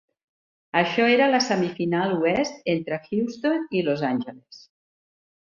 Això era la semifinal oest entre Houston i Los Angeles.